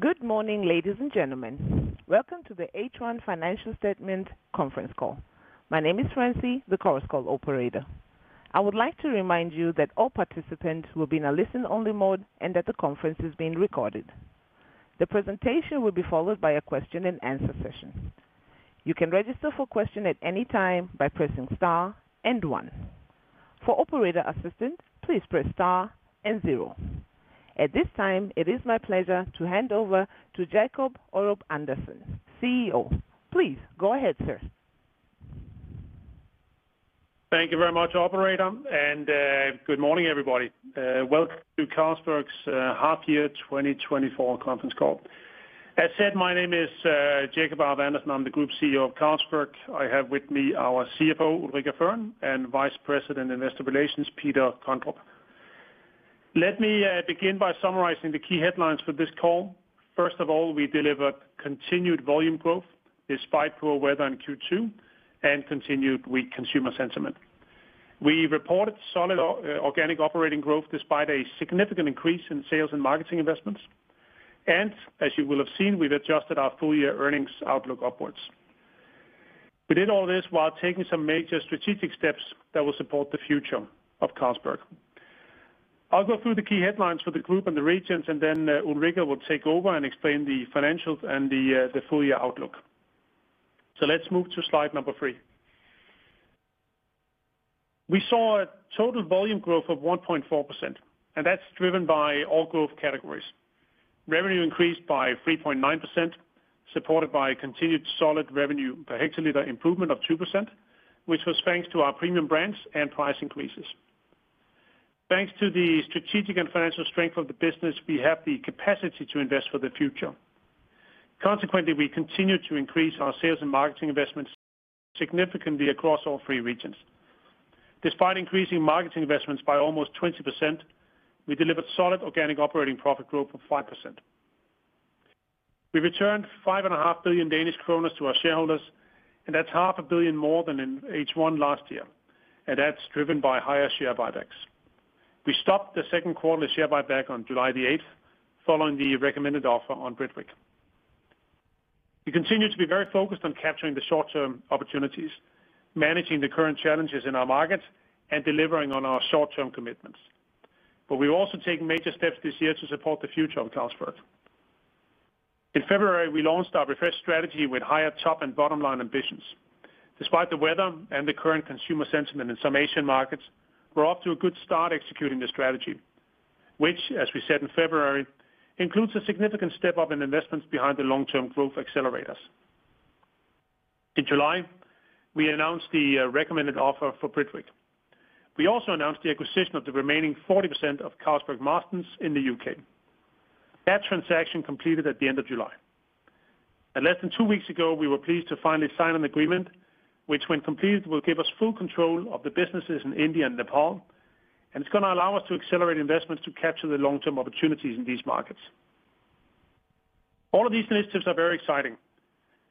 Good morning, ladies and gentlemen. Welcome to the H1 Financial Statement conference call. My name is Francie, the conference call operator. I would like to remind you that all participants will be in a listen-only mode and that the conference is being recorded. The presentation will be followed by a question-and-answer session. You can register for question at any time by pressing star and one. For operator assistance, please press star and zero. At this time, it is my pleasure to hand over to Jacob Aarup-Andersen, CEO. Please go ahead, sir. Thank you very much, operator, and good morning, everybody. Welcome to Carlsberg's Half Year 2024 conference call. As said, my name is Jacob Aarup-Andersen. I'm the Group CEO of Carlsberg. I have with me our CFO, Ulrika Fearn, and Vice President, Investor Relations, Peter Kondrup. Let me begin by summarizing the key headlines for this call. First of all, we delivered continued volume growth, despite poor weather in Q2 and continued weak consumer sentiment. We reported solid organic operating growth, despite a significant increase in sales and marketing investments, and as you will have seen, we've adjusted our full-year earnings outlook upwards. We did all this while taking some major strategic steps that will support the future of Carlsberg. I'll go through the key headlines for the group and the regions, and then, Ulrika will take over and explain the financials and the full-year outlook. So let's move to slide number three. We saw a total volume growth of 1.4%, and that's driven by all growth categories. Revenue increased by 3.9%, supported by continued solid revenue per hectoliter improvement of 2%, which was thanks to our premium brands and price increases. Thanks to the strategic and financial strength of the business, we have the capacity to invest for the future. Consequently, we continue to increase our sales and marketing investments significantly across all three regions. Despite increasing marketing investments by almost 20%, we delivered solid organic operating profit growth of 5%. We returned 5.5 billion Danish kroner to our shareholders, and that's 0.5 billion more than in H1 last year, and that's driven by higher share buybacks. We stopped the second quarter share buyback on July 8, following the recommended offer on Britvic. We continue to be very focused on capturing the short-term opportunities, managing the current challenges in our markets, and delivering on our short-term commitments. But we've also taken major steps this year to support the future of Carlsberg. In February, we launched our refreshed strategy with higher top and bottom-line ambitions. Despite the weather and the current consumer sentiment in some Asian markets, we're off to a good start executing the strategy, which, as we said in February, includes a significant step-up in investments behind the long-term growth accelerators. In July, we announced the recommended offer for Britvic. We also announced the acquisition of the remaining 40% of Carlsberg Marston's in the U.K. That transaction completed at the end of July. Less than two weeks ago, we were pleased to finally sign an agreement, which, when completed, will give us full control of the businesses in India and Nepal, and it's gonna allow us to accelerate investments to capture the long-term opportunities in these markets. All of these initiatives are very exciting.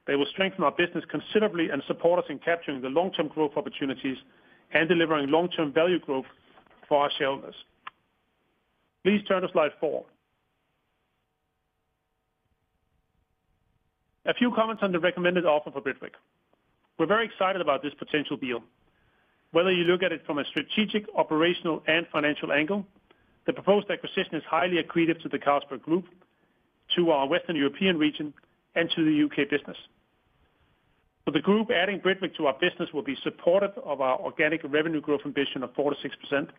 They will strengthen our business considerably and support us in capturing the long-term growth opportunities and delivering long-term value growth for our shareholders. Please turn to slide four. A few comments on the recommended offer for Britvic. We're very excited about this potential deal. Whether you look at it from a strategic, operational, and financial angle, the proposed acquisition is highly accretive to the Carlsberg Group, to our Western European region, and to the U.K. business. For the group, adding Britvic to our business will be supportive of our organic revenue growth ambition of 4%-6%.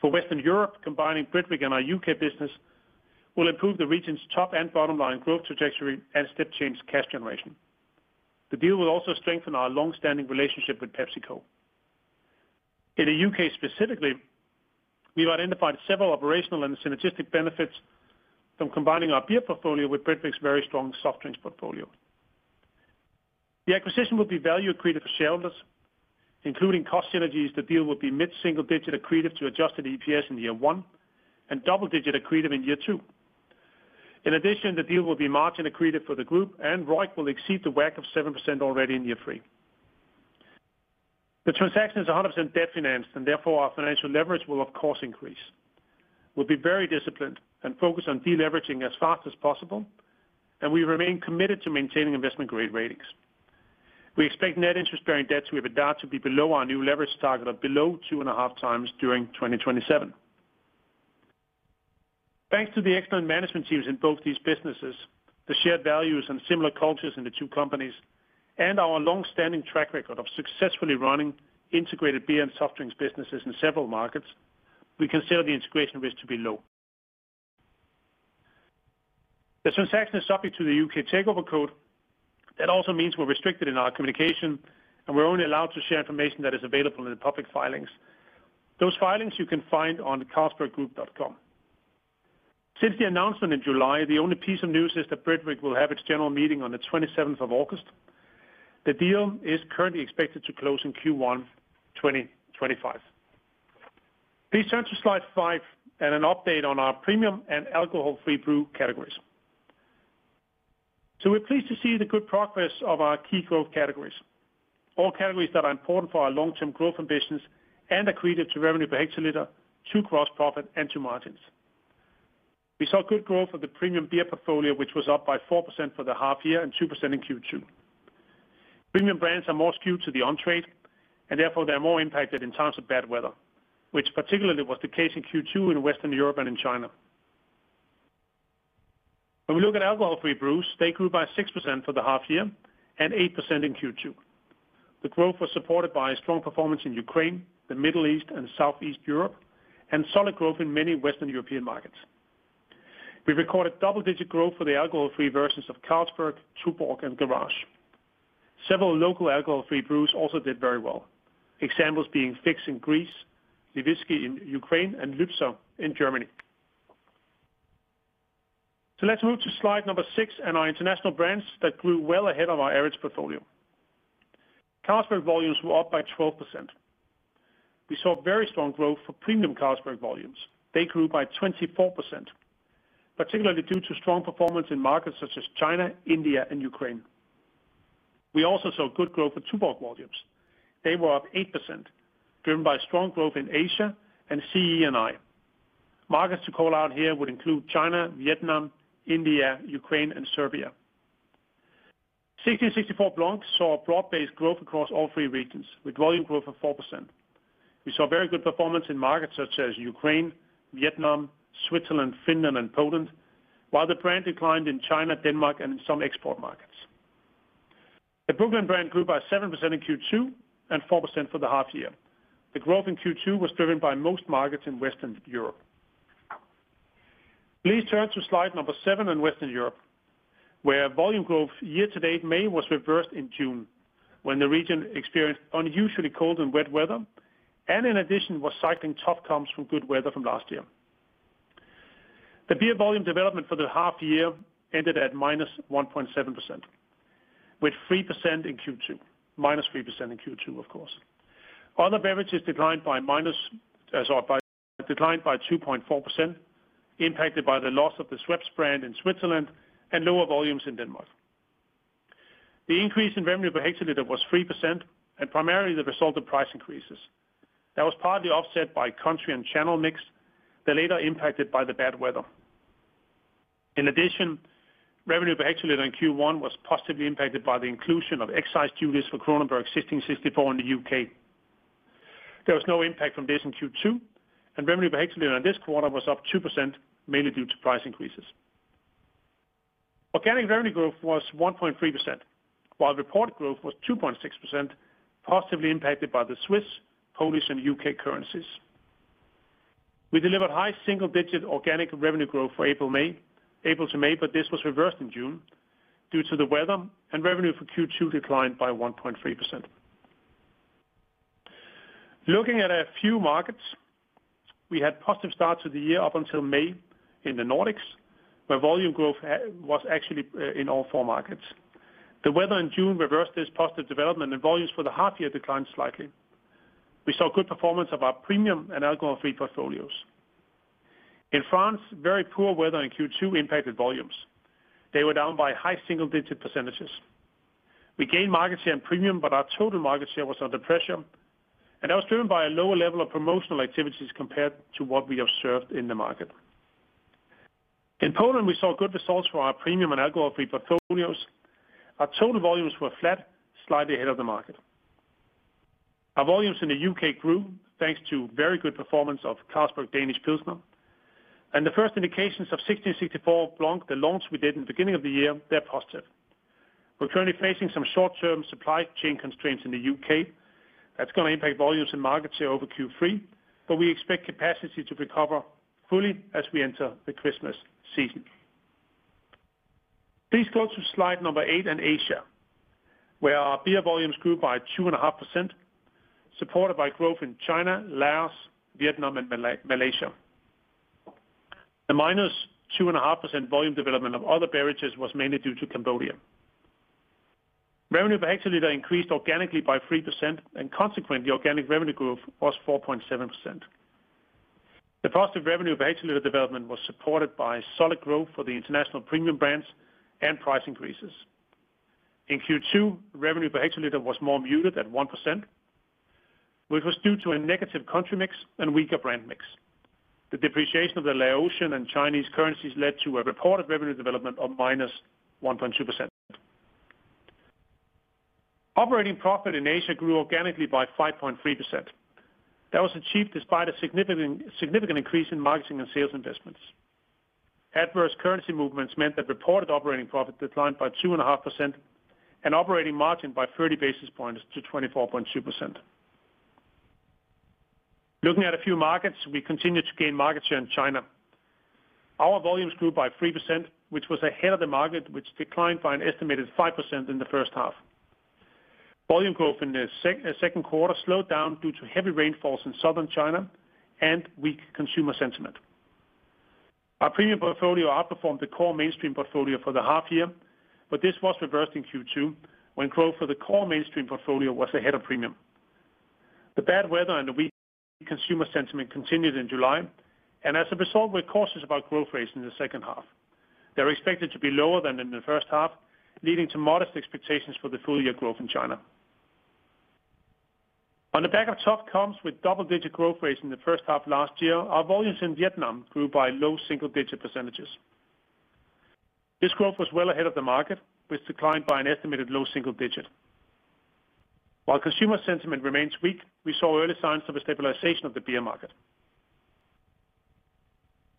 For Western Europe, combining Britvic and our U.K. business will improve the region's top and bottom-line growth trajectory and step change cash generation. The deal will also strengthen our long-standing relationship with PepsiCo. In the U.K. specifically, we've identified several operational and synergistic benefits from combining our beer portfolio with Britvic's very strong soft drinks portfolio. The acquisition will be value accretive for shareholders, including cost synergies. The deal will be mid-single digit accretive to adjusted EPS in year one and double digit accretive in year two. In addition, the deal will be margin accretive for the group, and ROIC will exceed the WACC of 7% already in year three. The transaction is 100% debt financed and therefore our financial leverage will, of course, increase. We'll be very disciplined and focused on deleveraging as fast as possible, and we remain committed to maintaining investment-grade ratings. We expect net interest-bearing debt to have adapted to be below our new leverage target of below 2.5x during 2027. Thanks to the excellent management teams in both these businesses, the shared values and similar cultures in the two companies, and our long-standing track record of successfully running integrated beer and soft drinks businesses in several markets, we consider the integration risk to be low. The transaction is subject to the U.K. takeover code. That also means we're restricted in our communication, and we're only allowed to share information that is available in the public filings. Those filings you can find on the carlsberggroup.com. Since the announcement in July, the only piece of news is that Britvic will have its general meeting on the August 27. The deal is currently expected to close in Q1 2025. Please turn to slide five and an update on our premium and alcohol-free brew categories. So we're pleased to see the good progress of our key growth categories, all categories that are important for our long-term growth ambitions and accretive to revenue per hectoliter, to gross profit, and to margins. We saw good growth of the premium beer portfolio, which was up by 4% for the half year and 2% in Q2. Premium brands are more skewed to the on-trade, and therefore, they're more impacted in times of bad weather, which particularly was the case in Q2 in Western Europe and in China. When we look at alcohol-free brews, they grew by 6% for the half year and 8% in Q2. The growth was supported by a strong performance in Ukraine, the Middle East, and Southeast Europe, and solid growth in many Western European markets. We recorded double-digit growth for the alcohol-free versions of Carlsberg, Tuborg, and Garage. Several local alcohol-free brews also did very well, examples being Fix in Greece, Lvivske in Ukraine, and Lübzer in Germany. So let's move to slide number 6 and our international brands that grew well ahead of our average portfolio. Carlsberg volumes were up by 12%. We saw very strong growth for premium Carlsberg volumes. They grew by 24%, particularly due to strong performance in markets such as China, India, and Ukraine. We also saw good growth for Tuborg volumes. They were up 8%, driven by strong growth in Asia and CEEI. Markets to call out here would include China, Vietnam, India, Ukraine, and Serbia. 1664 Blanc saw a broad-based growth across all three regions, with volume growth of 4%. We saw very good performance in markets such as Ukraine, Vietnam, Switzerland, Finland, and Poland, while the brand declined in China, Denmark, and in some export markets. The Brooklyn brand grew by 7% in Q2 and 4% for the half year. The growth in Q2 was driven by most markets in Western Europe. Please turn to slide number seven in Western Europe, where volume growth year-to-date May was reversed in June, when the region experienced unusually cold and wet weather, and in addition, was cycling tough comps from good weather from last year. The beer volume development for the half year ended at -1.7%, with 3% in Q2, -3% in Q2, of course. Other beverages declined by -2.4%, impacted by the loss of the Schweppes brand in Switzerland and lower volumes in Denmark. The increase in revenue per hectoliter was 3%, and primarily the result of price increases. That was partly offset by country and channel mix, the latter impacted by the bad weather. In addition, revenue per hectoliter in Q1 was positively impacted by the inclusion of excise duties for Kronenbourg 1664 in the U.K. There was no impact from this in Q2, and revenue per hectoliter in this quarter was up 2%, mainly due to price increases. Organic revenue growth was 1.3%, while reported growth was 2.6%, positively impacted by the Swiss, Polish, and U.K. currencies. We delivered high single-digit organic revenue growth for April, May, April to May, but this was reversed in June due to the weather, and revenue for Q2 declined by 1.3%. Looking at a few markets, we had positive starts of the year up until May in the Nordics, where volume growth was actually in all four markets. The weather in June reversed this positive development, and volumes for the half year declined slightly. We saw good performance of our premium and alcohol-free portfolios. In France, very poor weather in Q2 impacted volumes. They were down by high single-digit %. We gained market share and premium, but our total market share was under pressure, and that was driven by a lower level of promotional activities compared to what we observed in the market. In Poland, we saw good results for our premium and alcohol-free portfolios. Our total volumes were flat, slightly ahead of the market. Our volumes in the U.K. grew, thanks to very good performance of Carlsberg Danish Pilsner, and the first indications of 1664 Blanc, the launch we did in the beginning of the year, they're positive. We're currently facing some short-term supply chain constraints in the U.K. That's gonna impact volumes and market share over Q3, but we expect capacity to recover fully as we enter the Christmas season. Please go to slide eight in Asia, where our beer volumes grew by 2.5%, supported by growth in China, Laos, Vietnam, and Malaysia. The -2.5% volume development of other beverages was mainly due to Cambodia. Revenue per hectoliter increased organically by 3%, and consequently, organic revenue growth was 4.7%. The positive revenue per hectoliter development was supported by solid growth for the international premium brands and price increases. In Q2, revenue per hectoliter was more muted at 1%, which was due to a negative country mix and weaker brand mix. The depreciation of the Laotian and Chinese currencies led to a reported revenue development of -1.2%. Operating profit in Asia grew organically by 5.3%. That was achieved despite a significant increase in marketing and sales investments. Adverse currency movements meant that reported operating profit declined by 2.5% and operating margin by 30 basis points to 24.2%. Looking at a few markets, we continued to gain market share in China. Our volumes grew by 3%, which was ahead of the market, which declined by an estimated 5% in the first half. Volume growth in the second quarter slowed down due to heavy rainfalls in southern China and weak consumer sentiment. Our premium portfolio outperformed the core mainstream portfolio for the half year, but this was reversed in Q2, when growth for the core mainstream portfolio was ahead of premium. The bad weather and the weak consumer sentiment continued in July, and as a result, we're cautious about growth rates in the second half. They're expected to be lower than in the first half, leading to modest expectations for the full year growth in China. On the back of tough comps with double-digit growth rates in the first half last year, our volumes in Vietnam grew by low single-digit percentages. This growth was well ahead of the market, which declined by an estimated low single digit. While consumer sentiment remains weak, we saw early signs of a stabilization of the beer market.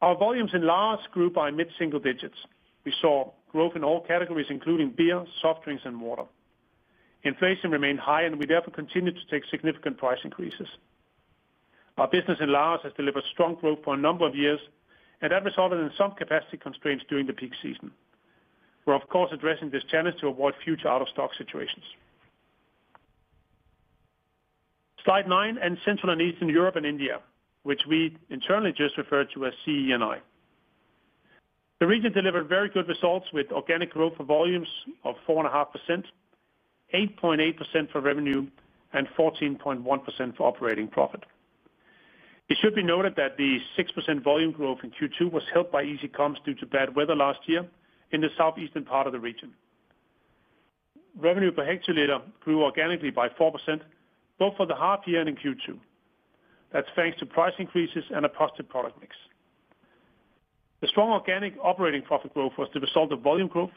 Our volumes in Laos grew by mid-single digits. We saw growth in all categories, including beer, soft drinks, and water. Inflation remained high, and we therefore continued to take significant price increases. Our business in Laos has delivered strong growth for a number of years, and that resulted in some capacity constraints during the peak season. We're, of course, addressing this challenge to avoid future out-of-stock situations. Slide nine, and Central and Eastern Europe and India, which we internally just refer to as CEEI. The region delivered very good results with organic growth for volumes of 4.5%, 8.8% for revenue, and 14.1% for operating profit. It should be noted that the 6% volume growth in Q2 was helped by easy comps due to bad weather last year in the southeastern part of the region. Revenue per hectoliter grew organically by 4%, both for the half year and in Q2. That's thanks to price increases and a positive product mix. The strong organic operating profit growth was the result of volume growth,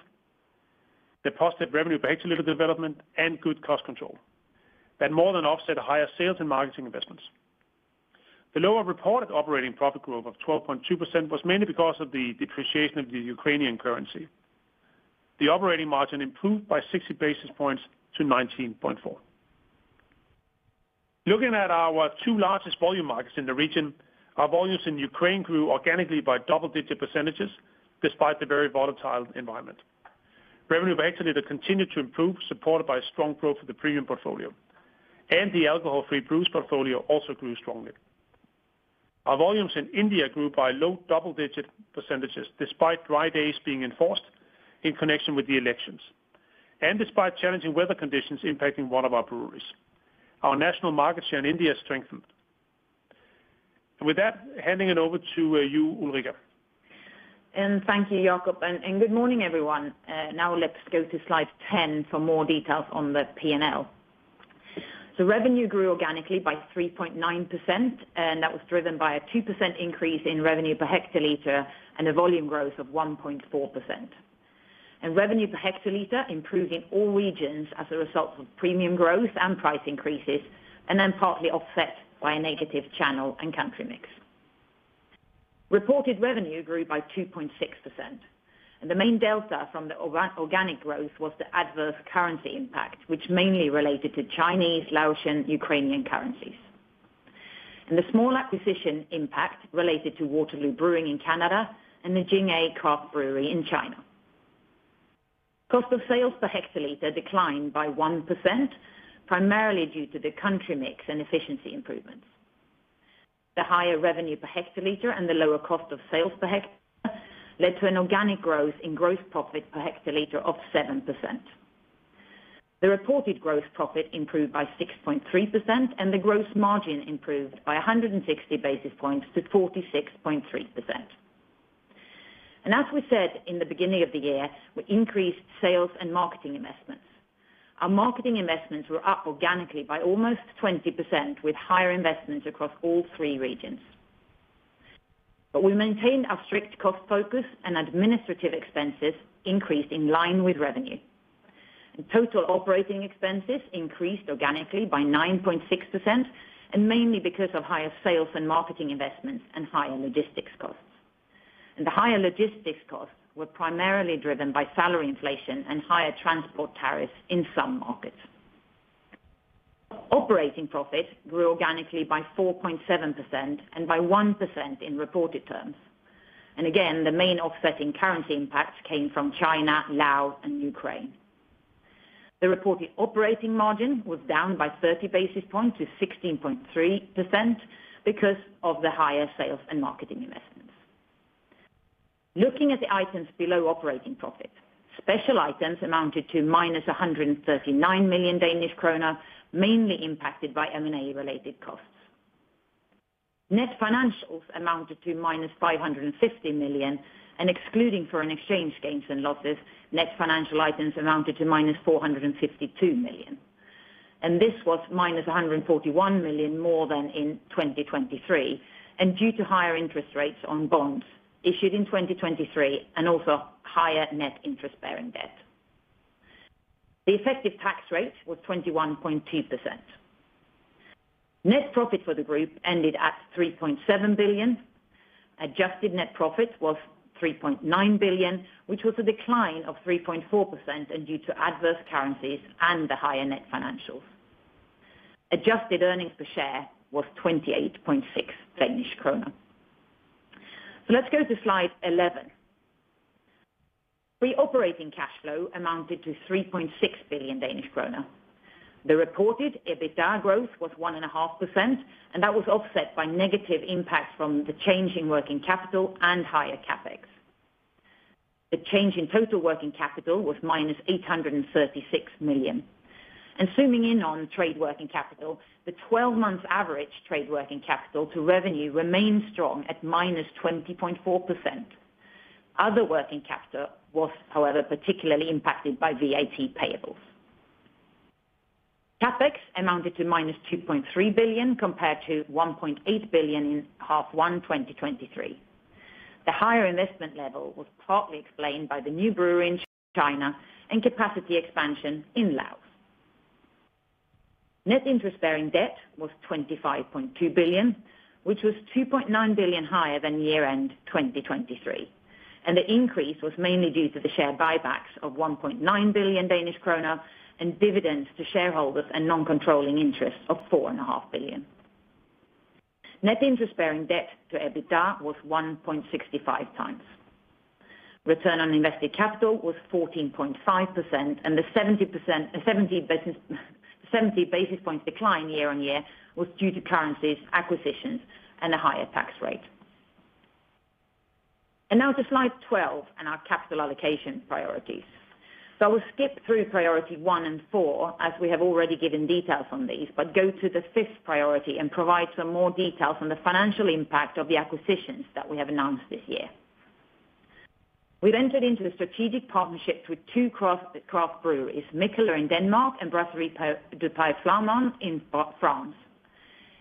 the positive revenue per hectoliter development, and good cost control. That more than offset higher sales and marketing investments. The lower reported operating profit growth of 12.2% was mainly because of the depreciation of the Ukrainian currency. The operating margin improved by 60 basis points to 19.4%. Looking at our two largest volume markets in the region, our volumes in Ukraine grew organically by double-digit percentages, despite the very volatile environment. Revenue per hectoliter continued to improve, supported by strong growth of the premium portfolio, and the alcohol-free brews portfolio also grew strongly. Our volumes in India grew by low double-digit percentages, despite dry days being enforced in connection with the elections, and despite challenging weather conditions impacting one of our breweries. Our national market share in India strengthened. And with that, handing it over to you, Ulrika. And thank you, Jacob, and good morning, everyone. Now let's go to slide 10 for more details on the P&L. So revenue grew organically by 3.9%, and that was driven by a 2% increase in revenue per hectoliter and a volume growth of 1.4%. And revenue per hectoliter improved in all regions as a result of premium growth and price increases, and then partly offset by a negative channel and country mix. Reported revenue grew by 2.6%, and the main delta from the organic growth was the adverse currency impact, which mainly related to Chinese, Laotian, Ukrainian currencies. And the small acquisition impact related to Waterloo Brewing in Canada and the Jing-A Brewing Co. in China. Cost of sales per hectoliter declined by 1%, primarily due to the country mix and efficiency improvements. The higher revenue per hectoliter and the lower cost of sales per hectoliter led to an organic growth in gross profit per hectoliter of 7%. The reported gross profit improved by 6.3%, and the gross margin improved by 160 basis points to 46.3%. As we said in the beginning of the year, we increased sales and marketing investments. Our marketing investments were up organically by almost 20%, with higher investments across all three regions. We maintained our strict cost focus and administrative expenses increased in line with revenue. Total operating expenses increased organically by 9.6%, and mainly because of higher sales and marketing investments and higher logistics costs. The higher logistics costs were primarily driven by salary inflation and higher transport tariffs in some markets. Operating profit grew organically by 4.7% and by 1% in reported terms. And again, the main offsetting currency impact came from China, Laos, and Ukraine. The reported operating margin was down by 30 basis points to 16.3% because of the higher sales and marketing investments. Looking at the items below operating profit, special items amounted to -139 million Danish kroner, mainly impacted by M&A-related costs. Net financials amounted to -550 million, and excluding foreign exchange gains and losses, net financial items amounted to -452 million. This was -141 million more than in 2023, and due to higher interest rates on bonds issued in 2023, and also higher net interest-bearing debt. The effective tax rate was 21.2%. Net profit for the group ended at 3.7 billion. Adjusted net profit was 3.9 billion, which was a decline of 3.4%, and due to adverse currencies and the higher net financials. Adjusted earnings per share was 28.6 Danish kroner. So let's go to slide 11. Free operating cash flow amounted to 3.6 billion Danish kroner. The reported EBITDA growth was 1.5%, and that was offset by negative impacts from the change in working capital and higher CapEx. The change in total working capital was -836 million. And zooming in on trade working capital, the 12-month average trade working capital to revenue remains strong at -20.4%. Other working capital was, however, particularly impacted by VAT payables. CapEx amounted to -2.3 billion, compared to 1.8 billion in half one 2023. The higher investment level was partly explained by the new brewery in China and capacity expansion in Laos. Net interest-bearing debt was 25.2 billion, which was 2.9 billion higher than year-end 2023, and the increase was mainly due to the share buybacks of 1.9 billion Danish krone and dividends to shareholders and non-controlling interests of 4.5 billion. Net interest-bearing debt to EBITDA was 1.65x. Return on invested capital was 14.5%, and the 70 basis points decline year-on-year was due to currencies, acquisitions, and a higher tax rate. Now to slide 12 and our capital allocation priorities. I will skip through priority one and four, as we have already given details on these, but go to the fifth priority and provide some more details on the financial impact of the acquisitions that we have announced this year. We've entered into a strategic partnership with two craft breweries, Mikkeller in Denmark and Brasserie du Pays Flamand in France.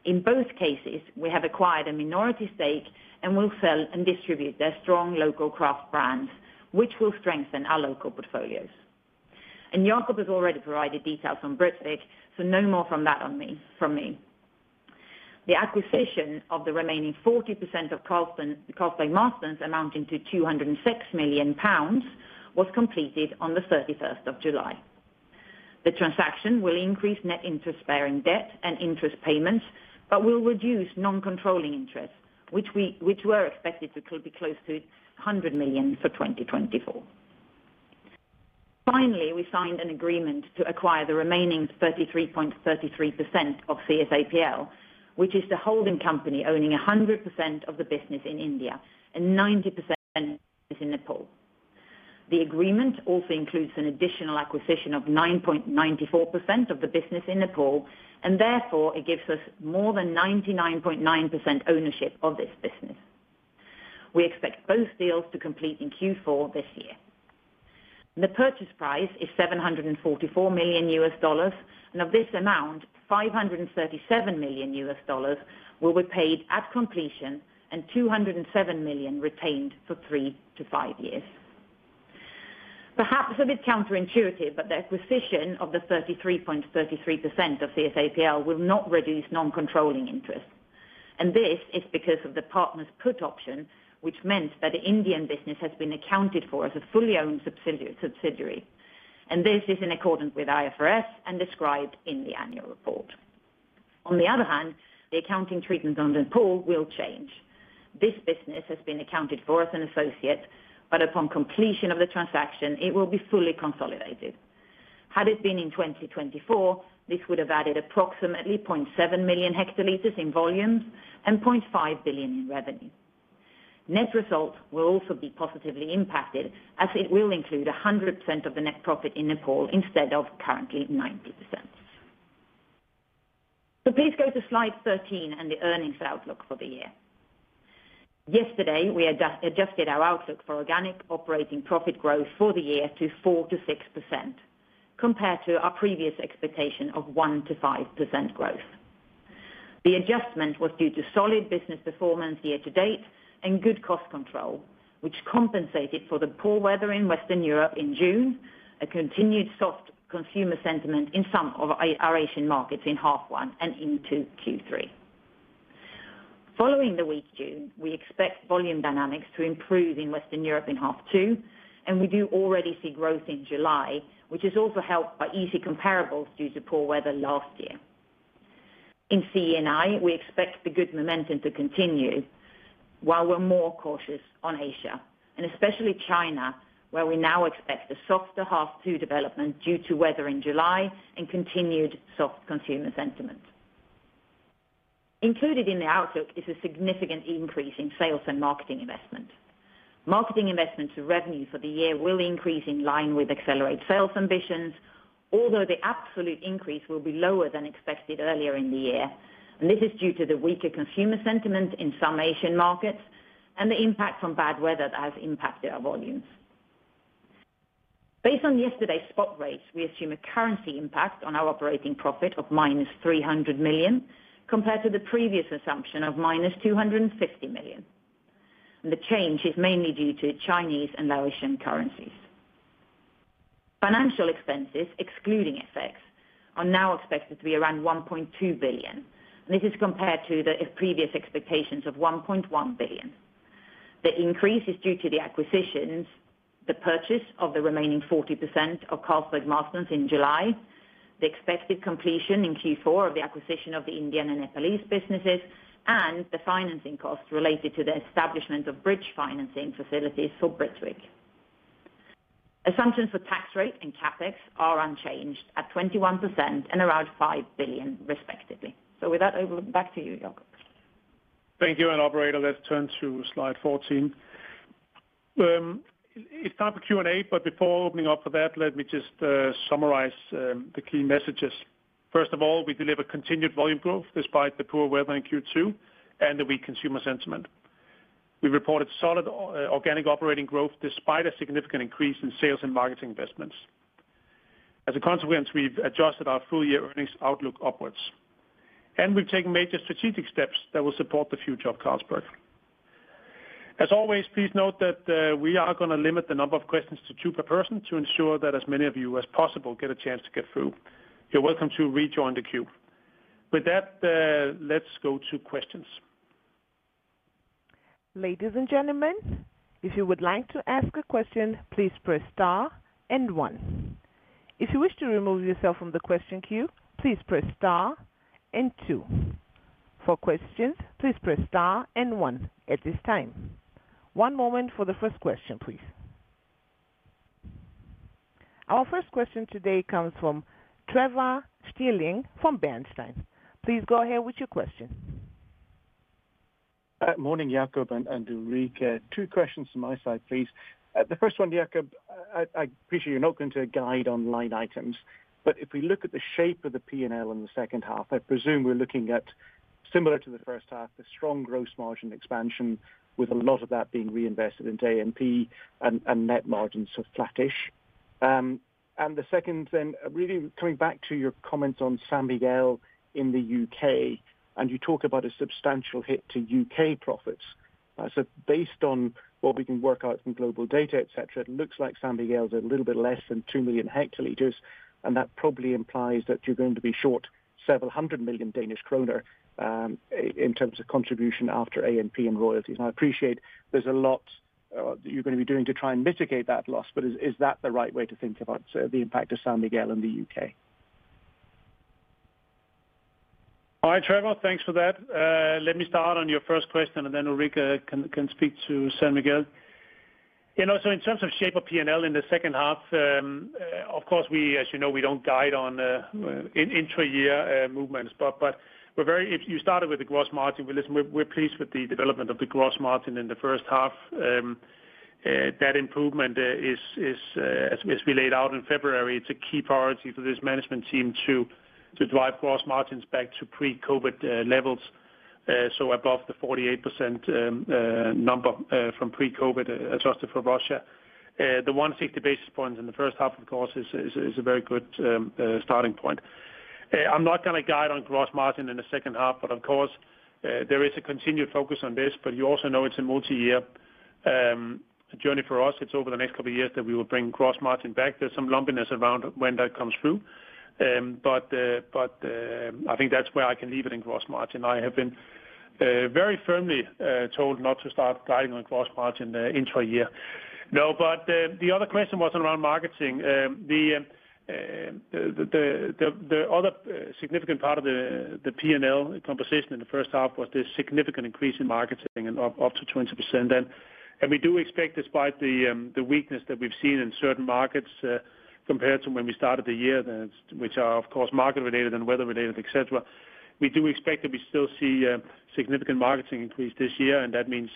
In both cases, we have acquired a minority stake and will sell and distribute their strong local craft brands, which will strengthen our local portfolios. Jacob has already provided details on Britvic, so no more from me. The acquisition of the remaining 40% of Carlsberg Marston's, amounting to 206 million pounds, was completed on the July 31. The transaction will increase net interest-bearing debt and interest payments, but will reduce non-controlling interests, which we were expected to be close to 100 million for 2024. Finally, we signed an agreement to acquire the remaining 33.33% of CSAPL, which is the holding company owning 100% of the business in India and 90% in Nepal. The agreement also includes an additional acquisition of 9.94% of the business in Nepal, and therefore it gives us more than 99.9% ownership of this business. We expect both deals to complete in Q4 this year. The purchase price is $744 million, and of this amount, $537 million will be paid at completion and $207 million retained for three to five years. Perhaps a bit counterintuitive, but the acquisition of the 33.33% of CSAPL will not reduce non-controlling interests, and this is because of the partner's put option, which meant that the Indian business has been accounted for as a fully owned subsidiary, and this is in accordance with IFRS and described in the annual report. On the other hand, the accounting treatment on Nepal will change. This business has been accounted for as an associate, but upon completion of the transaction, it will be fully consolidated. Had it been in 2024, this would have added approximately 0.7 million hectoliters in volumes and 0.5 billion in revenue. Net results will also be positively impacted, as it will include 100% of the net profit in Nepal, instead of currently 90%. So please go to slide 13 and the earnings outlook for the year. Yesterday, we adjusted our outlook for organic operating profit growth for the year to 4%-6%, compared to our previous expectation of 1%-5% growth. The adjustment was due to solid business performance year to date and good cost control, which compensated for the poor weather in Western Europe in June, a continued soft consumer sentiment in some of our Asian markets in half one and into Q3. Following the weak June, we expect volume dynamics to improve in Western Europe in half two, and we do already see growth in July, which is also helped by easy comparables due to poor weather last year. In CEEI, we expect the good momentum to continue, while we're more cautious on Asia, and especially China, where we now expect a softer half two development due to weather in July and continued soft consumer sentiment. Included in the outlook is a significant increase in sales and marketing investment. Marketing investment to revenue for the year will increase in line with accelerated sales ambitions, although the absolute increase will be lower than expected earlier in the year, and this is due to the weaker consumer sentiment in some Asian markets and the impact from bad weather that has impacted our volumes. Based on yesterday's spot rates, we assume a currency impact on our operating profit of -300 million, compared to the previous assumption of -250 million. The change is mainly due to Chinese and Laotian currencies. Financial expenses, excluding FX, are now expected to be around 1.2 billion, and this is compared to the previous expectations of 1.1 billion. The increase is due to the acquisitions, the purchase of the remaining 40% of Carlsberg Marston's in July, the expected completion in Q4 of the acquisition of the Indian and Nepalese businesses, and the financing costs related to the establishment of bridge financing facilities for Britvic. Assumptions for tax rate and CapEx are unchanged, at 21% and around 5 billion, respectively. So with that, over back to you, Jacob. Thank you, and operator, let's turn to slide 14. It's time for Q&A, but before opening up for that, let me just summarize the key messages. First of all, we delivered continued volume growth despite the poor weather in Q2 and the weak consumer sentiment. We reported solid organic operating growth despite a significant increase in sales and marketing investments. As a consequence, we've adjusted our full-year earnings outlook upwards, and we've taken major strategic steps that will support the future of Carlsberg. As always, please note that we are gonna limit the number of questions to two per person to ensure that as many of you as possible get a chance to get through. You're welcome to rejoin the queue. With that, let's go to questions. Ladies and gentlemen, if you would like to ask a question, please press star and one. If you wish to remove yourself from the question queue, please press star and two. For questions, please press star and one at this time. One moment for the first question, please. Our first question today comes from Trevor Stirling from Bernstein. Please go ahead with your question. Morning, Jacob and Ulrika. Two questions from my side, please. The first one, Jacob, I appreciate you're not going to guide on line items, but if we look at the shape of the P&L in the second half, I presume we're looking at similar to the first half, the strong gross margin expansion, with a lot of that being reinvested into A&P and net margins are flattish. And the second, then, really coming back to your comments on San Miguel in the U.K., and you talk about a substantial hit to U.K. profits. So based on what we can work out from global data, et cetera, it looks like San Miguel is a little bit less than 2 million hectoliters, and that probably implies that you're going to be short several hundred million DKK, in terms of contribution after A&P and royalties. I appreciate there's a lot that you're going to be doing to try and mitigate that loss, but is that the right way to think about the impact of San Miguel in the U.K.? All right, Trevor, thanks for that. Let me start on your first question, and then Ulrika can speak to San Miguel. You know, so in terms of shape of P&L in the second half, of course, we, as you know, we don't guide on in intra-year movements. But, but we're very if you started with the gross margin, well, listen, we're pleased with the development of the gross margin in the first half. That improvement is as we laid out in February, it's a key priority for this management team to drive gross margins back to pre-COVID levels, so above the 48% number from pre-COVID adjusted for Russia. The 160 basis points in the first half, of course, is a very good starting point. I'm not gonna guide on gross margin in the second half, but of course, there is a continued focus on this. But you also know it's a multi-year journey for us. It's over the next couple of years that we will bring gross margin back. There's some lumpiness around when that comes through, but I think that's where I can leave it in gross margin. I have been very firmly told not to start guiding on gross margin intra-year. No, but the other question was around marketing. The other significant part of the P&L composition in the first half was the significant increase in marketing and up to 20% then. We do expect, despite the weakness that we've seen in certain markets compared to when we started the year, then, which are, of course, market-related and weather-related, et cetera, we do expect that we still see a significant marketing increase this year, and that means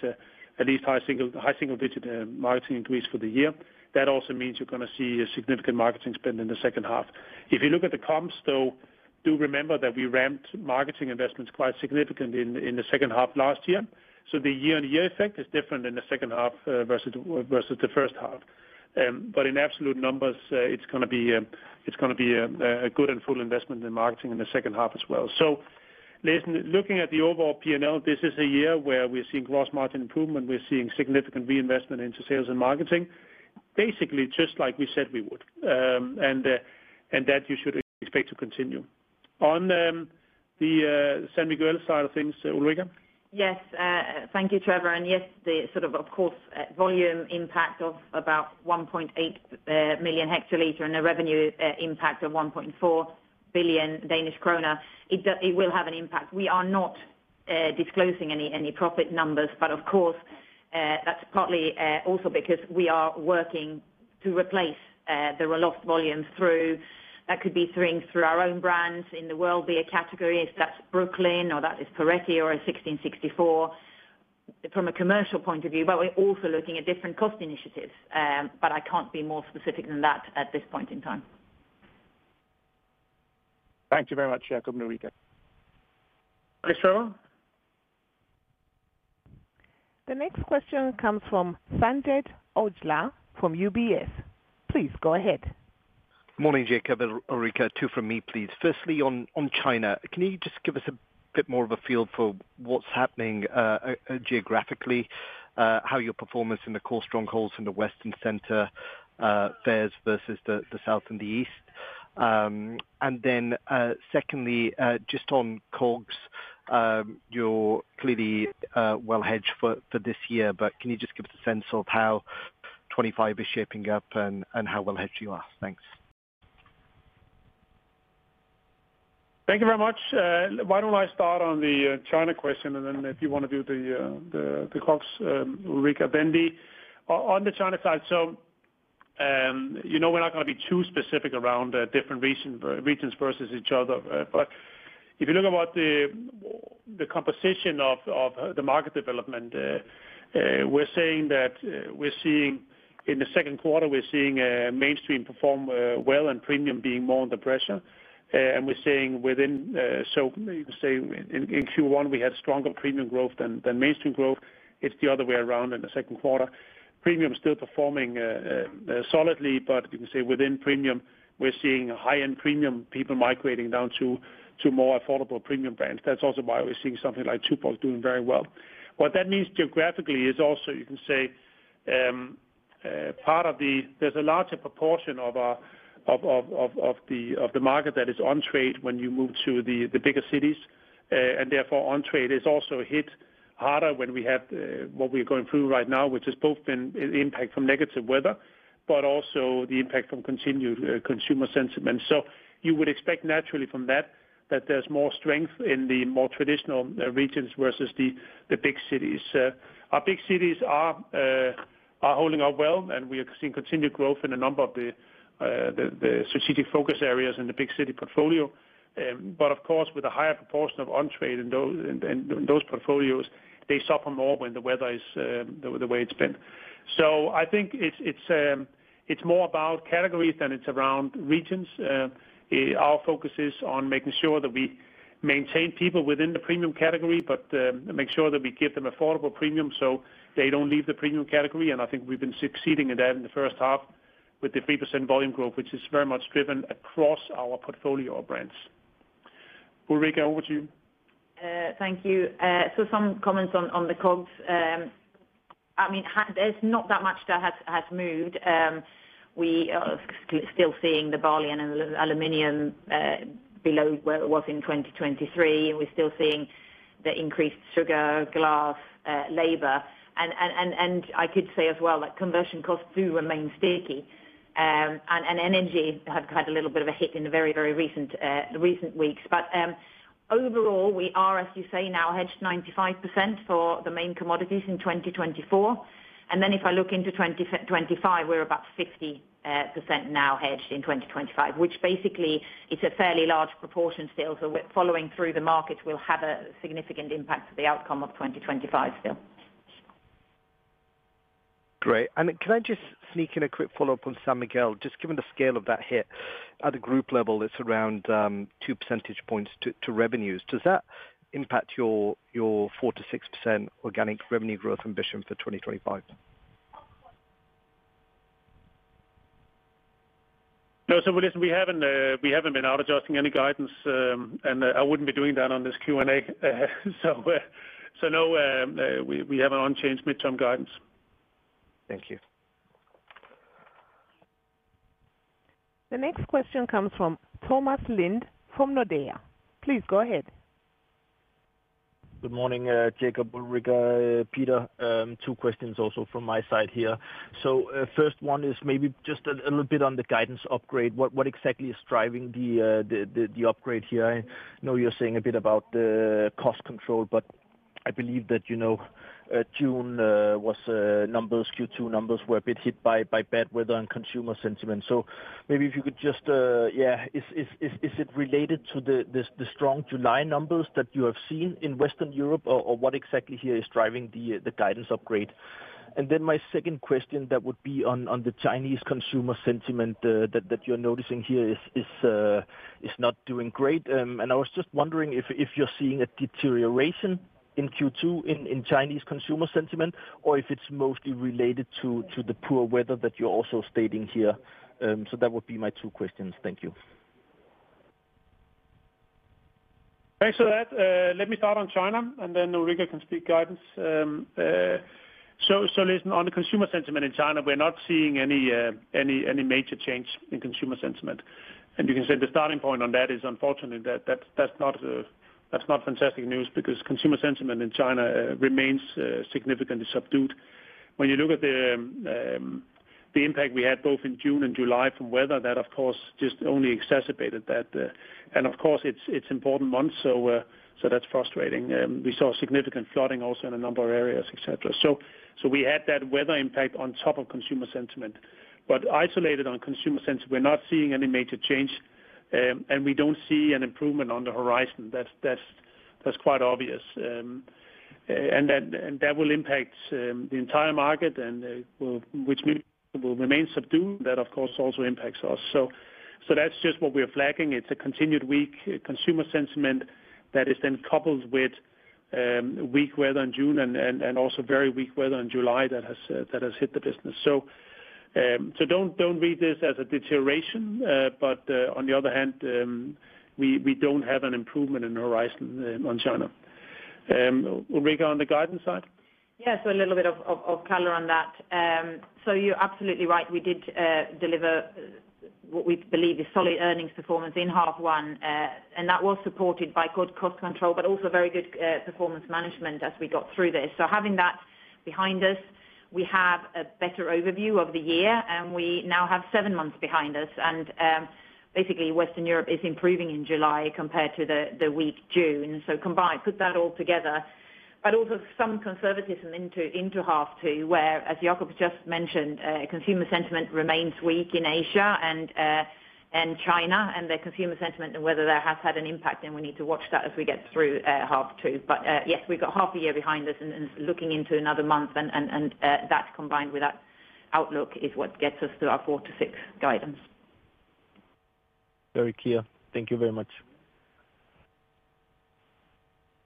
at least high single, high single-digit marketing increase for the year. That also means you're gonna see a significant marketing spend in the second half. If you look at the comps, though, do remember that we ramped marketing investments quite significantly in the second half last year. So the year-on-year effect is different in the second half versus the first half. But in absolute numbers, it's gonna be, it's gonna be a good and full investment in marketing in the second half as well. So listen, looking at the overall P&L, this is a year where we're seeing gross margin improvement, we're seeing significant reinvestment into sales and marketing, basically just like we said we would, and that you should expect to continue. On the San Miguel side of things, Ulrika? Yes, thank you, Trevor, and yes, the sort of, of course, volume impact of about 1.8 million hectoliter and a revenue impact of 1.4 billion Danish krone, it will have an impact. We are not disclosing any profit numbers, but of course, that's partly also because we are working to replace the lost volume through. That could be through our own brands in the world beer category, if that's Brooklyn or that is Poretti or 1664, from a commercial point of view. But we're also looking at different cost initiatives, but I can't be more specific than that at this point in time. Thank you very much, Jacob and Ulrika. Thank you, sir. The next question comes from Sanjeet Aujla from UBS. Please go ahead. Morning, Jacob and Ulrika. Two from me, please. Firstly, on China, can you just give us a bit more of a feel for what's happening, geographically, how your performance in the core strongholds in the West and Center fares versus the South and the East? And then, secondly, just on COGS, you're clearly well hedged for this year, but can you just give us a sense of how 2025 is shaping up and how well hedged you are? Thanks. Thank you very much. Why don't I start on the China question, and then if you want to do the COGS, Ulrika, then me. On the China side, you know, we're not gonna be too specific around different regions versus each other. But if you look about the composition of the market development, we're saying that we're seeing, in the second quarter, we're seeing mainstream perform well, and premium being more under pressure. And we're seeing within, so you can say in Q1, we had stronger premium growth than mainstream growth. It's the other way around in the second quarter. Premium is still performing solidly, but you can say within premium, we're seeing high-end premium people migrating down to more affordable premium brands. That's also why we're seeing something like Tuborg doing very well. What that means geographically is also, you can say, part of the there's a larger proportion of the market that is on trade when you move to the bigger cities. And therefore on trade is also hit harder when we have what we're going through right now, which is both an impact from negative weather, but also the impact from continued consumer sentiment. So you would expect naturally from that, that there's more strength in the more traditional regions versus the big cities. Our big cities are holding up well, and we are seeing continued growth in a number of the strategic focus areas in the big city portfolio. But of course, with a higher proportion of on-trade in those portfolios, they suffer more when the weather is the way it's been. So I think it's more about categories than it's around regions. Our focus is on making sure that we maintain people within the premium category, but make sure that we give them affordable premium, so they don't leave the premium category, and I think we've been succeeding at that in the first half with the 3% volume growth, which is very much driven across our portfolio of brands. Ulrika, over to you. Thank you. So some comments on the COGS. I mean, there's not that much that has moved. We are still seeing the barley and aluminum below where it was in 2023, and we're still seeing the increased sugar, glass, labor. And I could say as well, that conversion costs do remain sticky. And energy has had a little bit of a hit in the very recent weeks. But overall, we are, as you say, now hedged 95% for the main commodities in 2024. And then if I look into 2025, we're about 50% now hedged in 2025, which basically is a fairly large proportion still. We're following through. The market will have a significant impact to the outcome of 2025 still. Great. And can I just sneak in a quick follow-up on San Miguel? Just given the scale of that hit at the group level, it's around two percentage points to revenues. Does that impact your 4%-6% organic revenue growth ambition for 2025? No. So listen, we haven't been out adjusting any guidance, and I wouldn't be doing that on this Q&A. So, so no, we have an unchanged midterm guidance. Thank you. The next question comes from Thomas Lind from Nordea. Please go ahead. Good morning, Jacob, Ulrika, Peter. Two questions also from my side here. So, first one is maybe just a little bit on the guidance upgrade. What exactly is driving the upgrade here? I know you're saying a bit about the cost control, but I believe that, you know, June numbers, Q2 numbers were a bit hit by bad weather and consumer sentiment. So maybe if you could just, is it related to the strong July numbers that you have seen in Western Europe, or what exactly here is driving the guidance upgrade? And then my second question that would be on the Chinese consumer sentiment that you're noticing here is not doing great. And I was just wondering if you're seeing a deterioration in Q2 in Chinese consumer sentiment, or if it's mostly related to the poor weather that you're also stating here. So that would be my two questions. Thank you. Thanks for that. Let me start on China, and then Ulrika can speak guidance. So listen, on the consumer sentiment in China, we're not seeing any major change in consumer sentiment. And you can say the starting point on that is unfortunately, that's not fantastic news because consumer sentiment in China remains significantly subdued. When you look at the impact we had both in June and July from weather, that of course just only exacerbated that. And of course, it's important months, so that's frustrating. We saw significant flooding also in a number of areas, et cetera. So we had that weather impact on top of consumer sentiment. But isolated on consumer sentiment, we're not seeing any major change, and we don't see an improvement on the horizon. That's quite obvious. And that will impact the entire market, which means it will remain subdued. That, of course, also impacts us. So that's just what we are flagging. It's a continued weak consumer sentiment that is then coupled with weak weather in June and also very weak weather in July that has hit the business. So don't read this as a deterioration, but on the other hand, we don't have an improvement in the horizon on China. Ulrika, on the guidance side? Yeah, so a little bit of color on that. So you're absolutely right. We did deliver what we believe is solid earnings performance in half one, and that was supported by good cost control, but also very good performance management as we got through this. So having that behind us, we have a better overview of the year, and we now have seven months behind us. Basically, Western Europe is improving in July compared to the weak June. So combined, put that all together but also some conservatism into half two, where, as Jacob just mentioned, consumer sentiment remains weak in Asia and China, and the consumer sentiment and weather that has had an impact, and we need to watch that as we get through half two. But yes, we've got half a year behind us and looking into another month, and that combined with that outlook is what gets us to our 4%-6% guidance. Very clear. Thank you very much.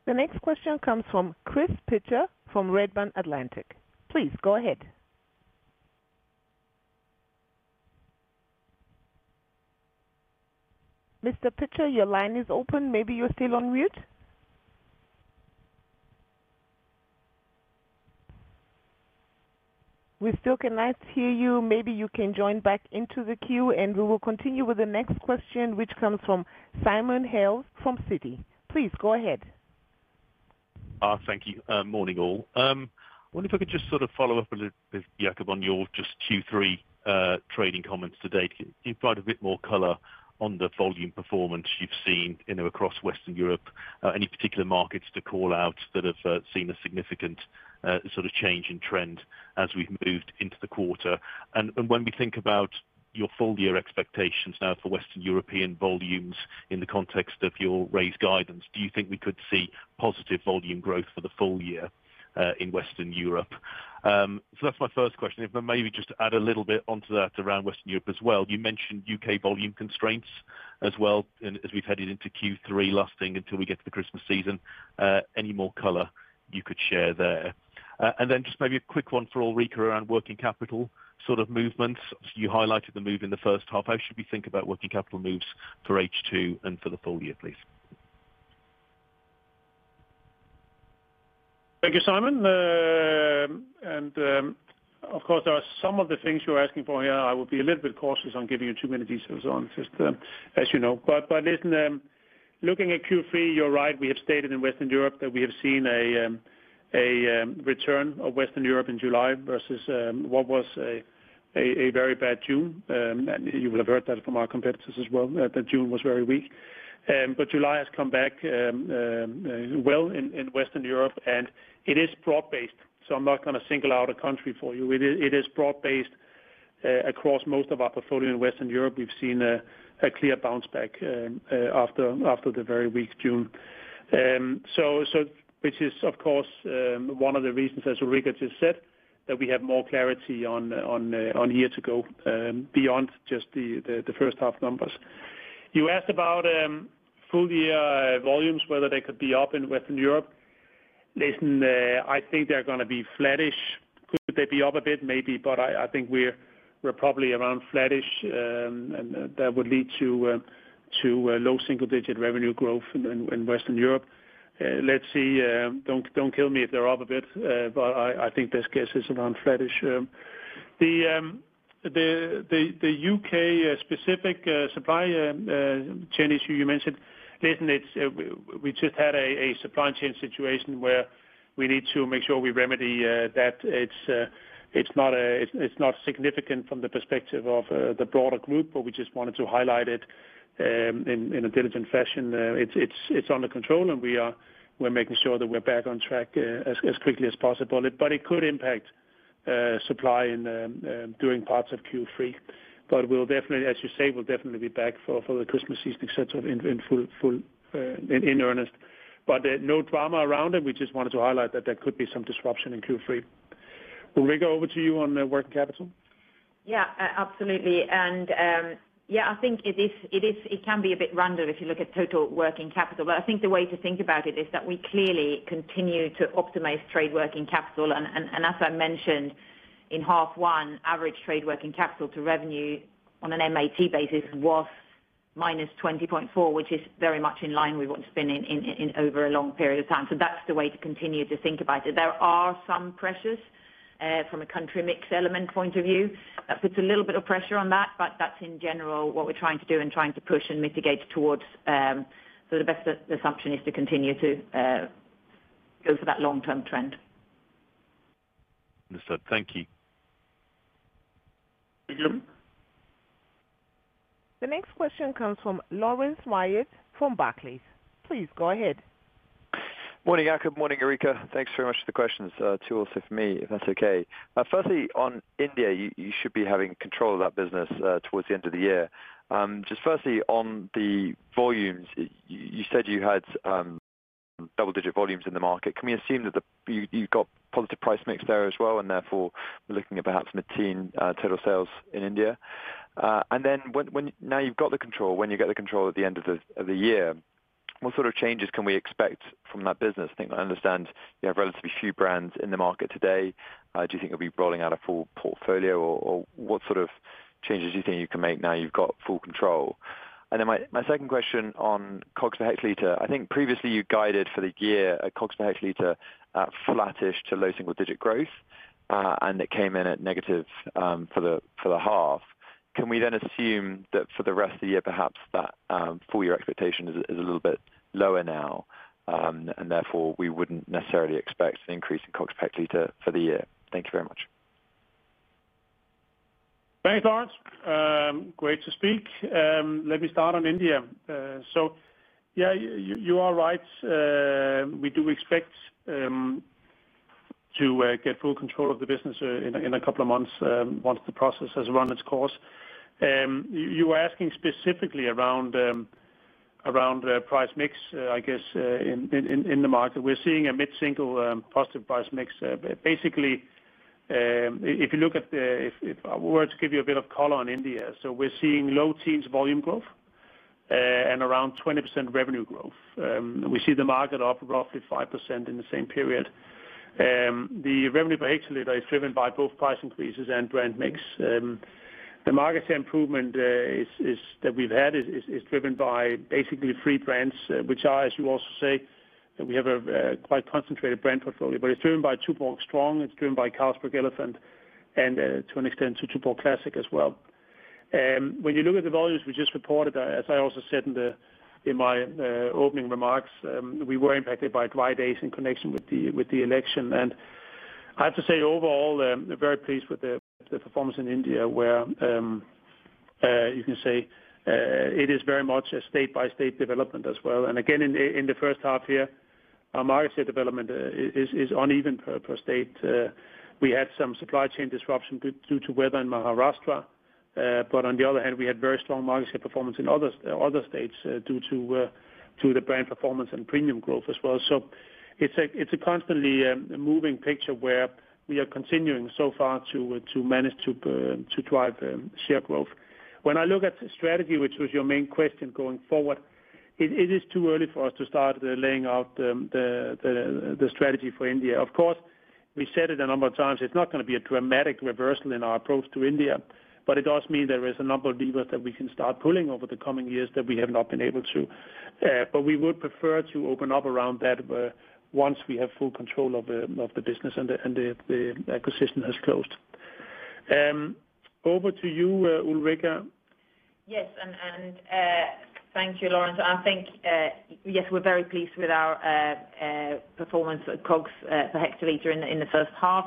The next question comes from Chris Pitcher from Redburn Atlantic. Please go ahead. Mr. Pitcher, your line is open. Maybe you're still on mute? We still cannot hear you. Maybe you can join back into the queue, and we will continue with the next question, which comes from Simon Hales from Citi. Please go ahead. Thank you. Morning, all. I wonder if I could just sort of follow up a little bit, Jacob, on your just Q3 trading comments to date. Can you provide a bit more color on the volume performance you've seen, you know, across Western Europe? Any particular markets to call out that have seen a significant sort of change in trend as we've moved into the quarter? And when we think about your full year expectations now for Western European volumes in the context of your raised guidance, do you think we could see positive volume growth for the full year in Western Europe? So that's my first question. But maybe just to add a little bit onto that, around Western Europe as well, you mentioned UK volume constraints as well, and as we've headed into Q3, lasting until we get to the Christmas season, any more color you could share there? And then just maybe a quick one for Ulrika around working capital, sort of movements. You highlighted the move in the first half. How should we think about working capital moves for H2 and for the full year, please? Thank you, Simon. Of course, there are some of the things you're asking for here. I will be a little bit cautious on giving you too many details on, just as you know. But listen, looking at Q3, you're right. We have stated in Western Europe that we have seen a return in Western Europe in July versus what was a very bad June. You will have heard that from our competitors as well, that June was very weak. But July has come back well in Western Europe, and it is broad-based, so I'm not gonna single out a country for you. It is broad-based across most of our portfolio in Western Europe. We've seen a clear bounce back after the very weak June. So which is, of course, one of the reasons, as Ulrika just said, that we have more clarity on what to go beyond just the first half numbers. You asked about full year volumes, whether they could be up in Western Europe. Listen, I think they're gonna be flattish. Could they be up a bit? Maybe, but I think we're probably around flattish, and that would lead to low single-digit revenue growth in Western Europe. Let's see, don't kill me if they're up a bit, but I think in this case is around flattish. The UK specific supply chain issue you mentioned, listen, it's we just had a supply chain situation where we need to make sure we remedy that. It's not significant from the perspective of the broader group, but we just wanted to highlight it in a diligent fashion. It's under control, and we are, we're making sure that we're back on track as quickly as possible. But it could impact supply and during parts of Q3. But we'll definitely, as you say, we'll definitely be back for the Christmas season, et cetera, in full in earnest. But no drama around it. We just wanted to highlight that there could be some disruption in Q3. Ulrika, over to you on working capital. Yeah, absolutely. And, yeah, I think it is, it is, it can be a bit random if you look at total working capital, but I think the way to think about it is that we clearly continue to optimize trade working capital. And as I mentioned, in half one, average trade working capital to revenue on an MAT basis was -20.4%, which is very much in line with what's been in over a long period of time. So that's the way to continue to think about it. There are some pressures, from a country mix element point of view. That puts a little bit of pressure on that, but that's in general what we're trying to do and trying to push and mitigate towards. So the best assumption is to continue to go for that long-term trend. Understood. Thank you. The next question comes from Laurence Whyatt from Barclays. Please go ahead. Morning, Jacob. Morning, Ulrika. Thanks very much for the questions. Two also from me, if that's okay. Firstly, on India, you should be having control of that business towards the end of the year. Just firstly, on the volumes, you said you had double-digit volumes in the market. Can we assume that you've got positive price mix there as well, and therefore we're looking at perhaps mid-teen total sales in India? And then, now you've got the control, when you get the control at the end of the year, what sort of changes can we expect from that business? I think I understand you have relatively few brands in the market today. Do you think you'll be rolling out a full portfolio, or, or what sort of changes do you think you can make now you've got full control? And then my, my second question on COGS per hectoliter. I think previously you guided for the year a COGS per hectoliter at flattish to low single digit growth, and it came in at negative, for the, for the half. Can we then assume that for the rest of the year, perhaps that full year expectation is, is a little bit lower now, and therefore we wouldn't necessarily expect an increase in COGS per hectoliter for the year? Thank you very much. Thanks, Laurence. Great to speak. Let me start on India. So, yeah, you are right. We do expect to get full control of the business in a couple of months, once the process has run its course. You were asking specifically around price mix, I guess, in the market. We're seeing a mid-single positive price mix. Basically, if I were to give you a bit of color on India, so we're seeing low teens volume growth, and around 20% revenue growth. We see the market up roughly 5% in the same period. The revenue per hectoliter is driven by both price increases and brand mix. The market improvement that we've had is driven by basically three brands, which are, as you also say, that we have a quite concentrated brand portfolio. But it's driven by Tuborg Strong, it's driven by Carlsberg Elephant, and to an extent, Tuborg Classic as well. When you look at the volumes we just reported, as I also said in my opening remarks, we were impacted by dry days in connection with the election. And I have to say, overall, we're very pleased with the performance in India, where you can say it is very much a state-by-state development as well. And again, in the first half here, our market share development is uneven per state. We had some supply chain disruption due to weather in Maharashtra, but on the other hand, we had very strong market share performance in other states due to the brand performance and premium growth as well. So it's a constantly moving picture where we are continuing so far to manage to drive share growth. When I look at the strategy, which was your main question going forward, it is too early for us to start laying out the strategy for India. Of course, we said it a number of times, it's not going to be a dramatic reversal in our approach to India, but it does mean there is a number of levers that we can start pulling over the coming years that we have not been able to. But we would prefer to open up around that, once we have full control of the business and the acquisition has closed. Over to you, Ulrika. Yes, thank you, Laurence. I think, yes, we're very pleased with our performance at COGS per hectoliter in the first half.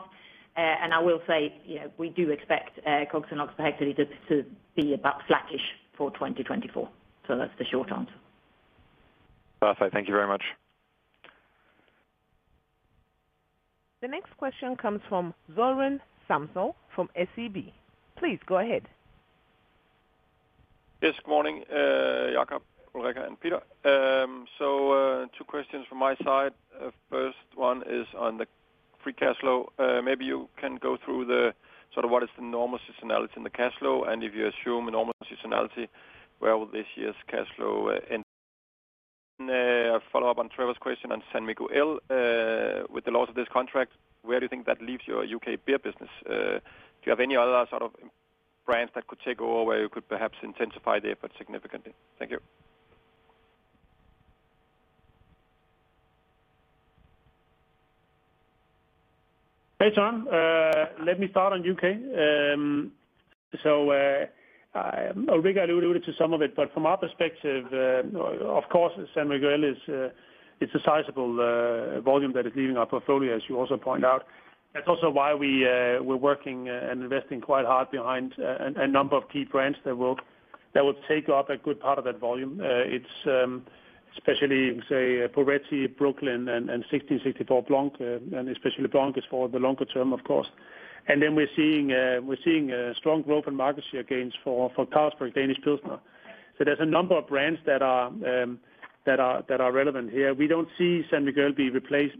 And I will say, you know, we do expect COGS and OpEx per hectoliter to be about flattish for 2024. So that's the short answer. Perfect. Thank you very much. The next question comes from Søren Samsøe from SEB. Please go ahead. Yes, good morning, Jacob, Ulrika, and Peter. So, two questions from my side. First one is on the free cash flow. Maybe you can go through the sort of what is the normal seasonality in the cash flow, and if you assume a normal seasonality, where will this year's cash flow end? Follow up on Trevor's question on San Miguel. With the loss of this contract, where do you think that leaves your U.K. beer business? Do you have any other sort of brands that could take over, or you could perhaps intensify the effort significantly? Thank you. Hey, Søren. Let me start on U.K. So, Ulrika alluded to some of it, but from our perspective, of course, San Miguel is, it's a sizable volume that is leaving our portfolio, as you also pointed out. That's also why we, we're working and investing quite hard behind a number of key brands that will take up a good part of that volume. It's especially, say, Peretti, Brooklyn, and 1664 Blanc, and especially Blanc is for the longer term, of course. And then we're seeing a strong growth in market share gains for Carlsberg Danish Pilsner. So there's a number of brands that are relevant here. We don't see San Miguel being replaced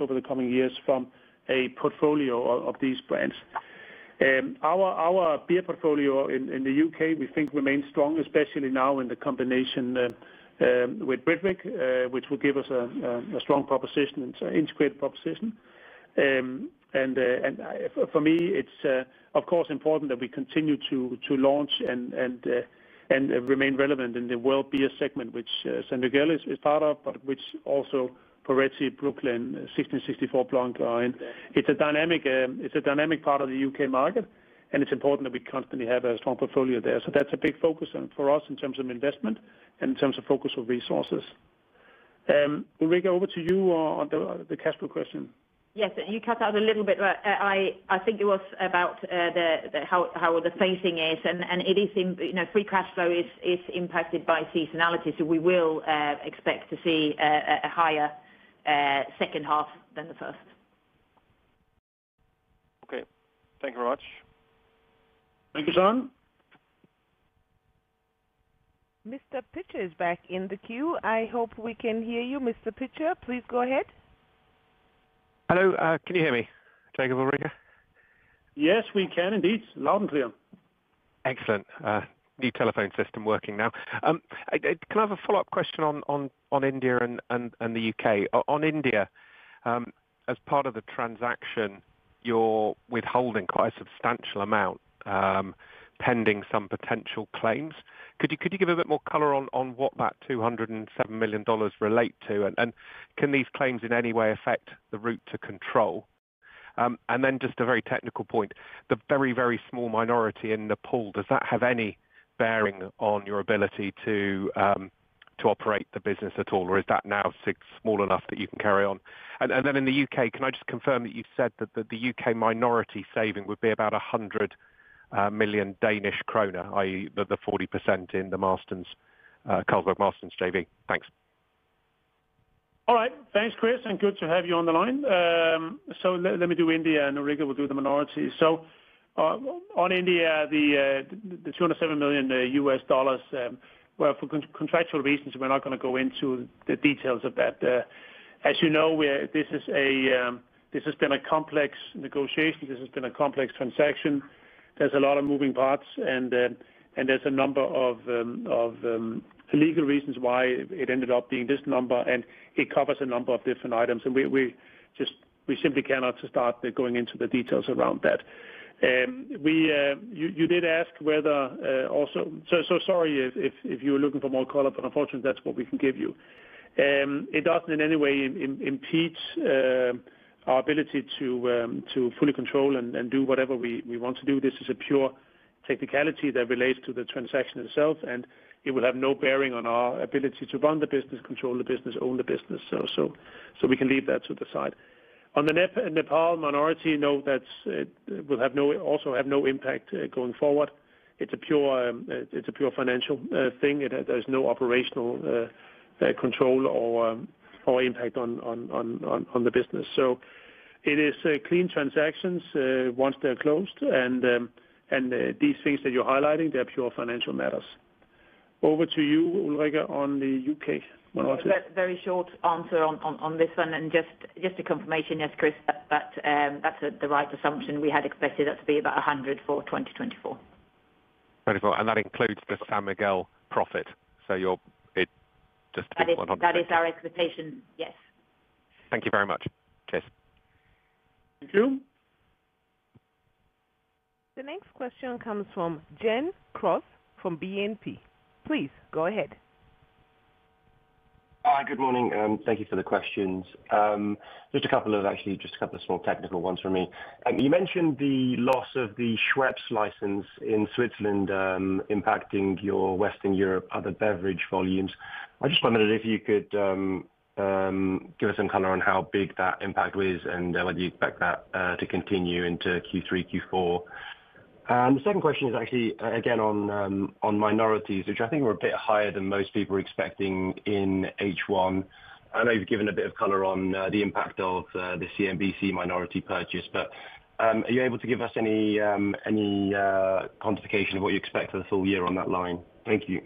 over the coming years from a portfolio of these brands. Our beer portfolio in the U.K., we think remains strong, especially now in the combination with Britvic, which will give us a strong proposition; it's an integrated proposition. For me, it's of course important that we continue to launch and remain relevant in the world beer segment, which San Miguel is part of, but which also Poretti, Brooklyn, 1664 Blanc. It's a dynamic part of the U.K. market, and it's important that we constantly have a strong portfolio there. So that's a big focus and for us in terms of investment and in terms of focus of resources. Ulrika, over to you on the cash flow question. Yes, and you cut out a little bit, but I think it was about how the phasing is. And it is, you know, free cash flow is impacted by seasonality, so we will expect to see a higher second half than the first. Okay. Thank you very much. Thank you, Søren. Mr. Pitcher is back in the queue. I hope we can hear you, Mr. Pitcher. Please go ahead. Hello, can you hear me, Jacob, Ulrika? Yes, we can indeed. Loud and clear. Excellent. New telephone system working now. Can I have a follow-up question on India and the U.K.? On India, as part of the transaction, you're withholding quite a substantial amount, pending some potential claims. Could you give a bit more color on what that $207 million relate to? And can these claims in any way affect the route to control? And then just a very technical point, the very small minority in Nepal, does that have any bearing on your ability to operate the business at all, or is that now small enough that you can carry on? Then in the U.K., can I just confirm that you said that the U.K. minority saving would be about 100 million Danish kroner, i.e., the 40% in the Marston's Carlsberg Marston's JV? Thanks. All right, thanks, Chris, and good to have you on the line. So let me do India, and Ulrika will do the minority. So, on India, the two hundred and seven million US dollars, well, for contractual reasons, we're not gonna go into the details of that. As you know, we're, this is a, this has been a complex negotiation. This has been a complex transaction. There's a lot of moving parts, and, and there's a number of, of, legal reasons why it ended up being this number, and it covers a number of different items. And we, we just, we simply cannot start going into the details around that. We, you, you did ask whether, also. So, sorry if you were looking for more color, but unfortunately, that's what we can give you. It doesn't in any way impede our ability to fully control and do whatever we want to do. This is a pure technicality that relates to the transaction itself, and it will have no bearing on our ability to run the business, control the business, own the business. So we can leave that to the side. On the Nepal minority, no, that's will have no, also have no impact going forward. It's a pure, it's a pure financial thing. It, there's no operational control or impact on the business. So it is clean transactions once they're closed, and these things that you're highlighting, they're pure financial matters. Over to you, Ulrika, on the U.K. minority. Very short answer on this one, and just a confirmation, yes, Chris, that's the right assumption. We had expected that to be about 100 million for 2024. And that includes the San Miguel profit, so you're, it just. That is, that is our expectation, yes. Thank you very much. Cheers. Thank you. The next question comes from Gen Cross from BNP. Please go ahead. Hi, good morning, thank you for the questions. Actually, just a couple of small technical ones from me. You mentioned the loss of the Schweppes license in Switzerland, impacting your Western Europe other beverage volumes. I just wondered if you could give us some color on how big that impact was, and whether you expect that to continue into Q3, Q4? And the second question is actually again on minorities, which I think were a bit higher than most people were expecting in H1. I know you've given a bit of color on the impact of the CSAPL minority purchase, but are you able to give us any quantification of what you expect for the full year on that line? Thank you.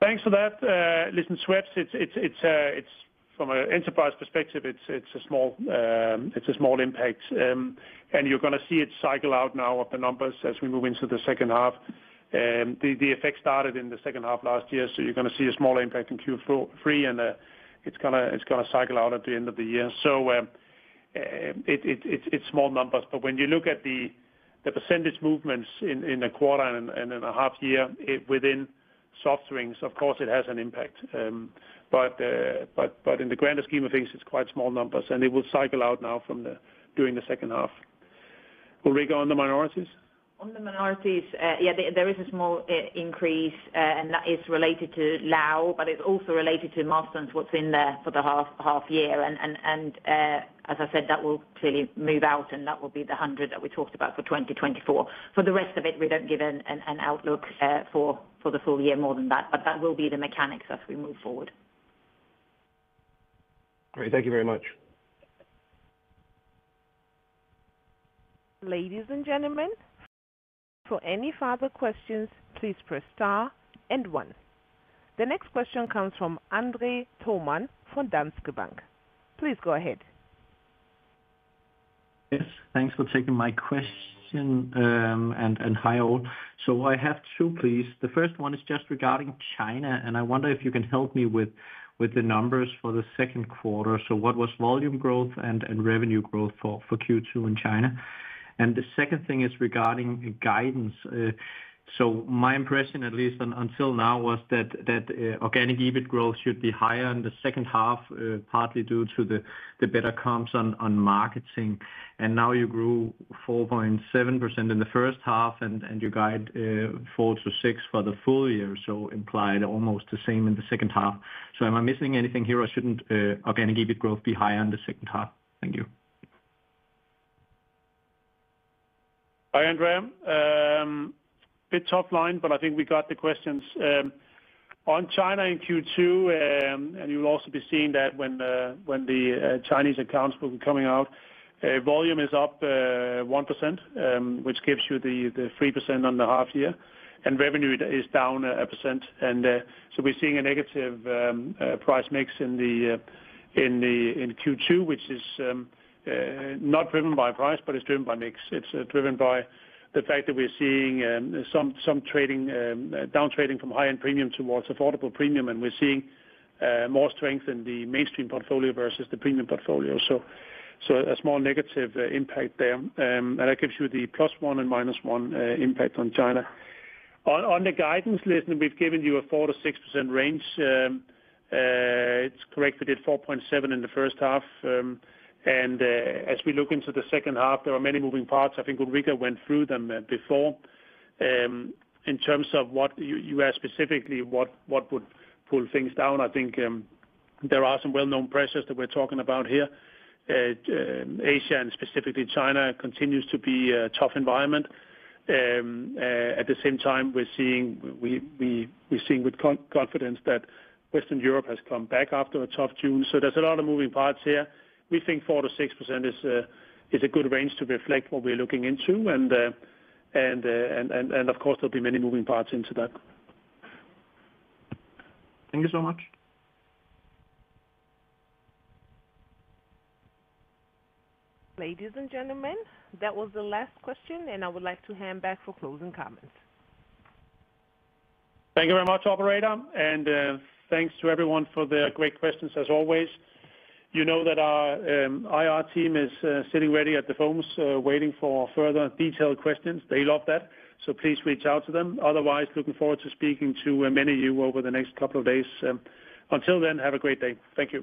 Thanks for that. Listen, Schweppes, it's from an enterprise perspective, it's a small impact. And you're gonna see it cycle out now of the numbers as we move into the second half. The effect started in the second half last year, so you're gonna see a small impact in Q3, and it's gonna cycle out at the end of the year. So, it's small numbers, but when you look at the percentage movements in the quarter and in a half year, it within soft drinks, of course it has an impact. But in the grander scheme of things, it's quite small numbers, and it will cycle out now during the second half. Ulrika, on the minorities? On the minorities, yeah, there is a small increase, and that is related to Laos, but it's also related to Marston's, what's in there for the half year. As I said, that will clearly move out, and that will be the 100 million that we talked about for 2024. For the rest of it, we don't give an outlook for the full year more than that, but that will be the mechanics as we move forward. Great. Thank you very much. Ladies and gentlemen, for any further questions, please press Star and One. The next question comes from André Thormann, from Danske Bank. Please go ahead. Yes, thanks for taking my question, and hi, all. So I have two, please. The first one is just regarding China, and I wonder if you can help me with the numbers for the second quarter. So what was volume growth and revenue growth for Q2 in China? And the second thing is regarding guidance. So my impression, at least until now, was that organic EBIT growth should be higher in the second half, partly due to the better comps on marketing. And now you grew 4.7% in the first half, and you guide 4%-6% for the full year, so implied almost the same in the second half. So am I missing anything here, or shouldn't organic EBIT growth be higher in the second half? Thank you. Hi, André. Bit top line, but I think we got the questions. On China in Q2, and you'll also be seeing that when the Chinese accounts will be coming out, volume is up 1%, which gives you the 3% on the half year, and revenue is down 1%. And so we're seeing a negative price mix in Q2, which is not driven by price, but it's driven by mix. It's driven by the fact that we're seeing some trading down trading from high-end premium towards affordable premium, and we're seeing more strength in the mainstream portfolio versus the premium portfolio. So a small negative impact there. And that gives you the plus one and minus one impact on China. On the guidance list, we've given you a 4%-6% range. It's correct, we did 4.7% in the first half. And as we look into the second half, there are many moving parts. I think Ulrika went through them before. In terms of what you asked specifically, what would pull things down, I think there are some well-known pressures that we're talking about here. Asia and specifically China continues to be a tough environment. At the same time, we're seeing with confidence that Western Europe has come back after a tough June. So there's a lot of moving parts here. We think 4%-6% is a good range to reflect what we're looking into, and of course, there'll be many moving parts into that. Thank you so much. Ladies and gentlemen, that was the last question, and I would like to hand back for closing comments. Thank you very much, operator, and thanks to everyone for their great questions as always. You know that our IR team is sitting ready at the phones, waiting for further detailed questions. They love that, so please reach out to them. Otherwise, looking forward to speaking to many of you over the next couple of days. Until then, have a great day. Thank you.